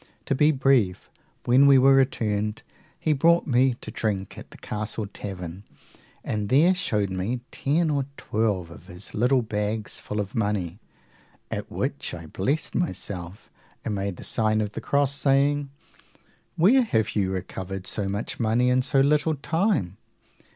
To be brief, when we were returned, he brought me to drink at the castle tavern, and there showed me ten or twelve of his little bags full of money, at which I blessed myself, and made the sign of the cross, saying, Where have you recovered so much money in so little time?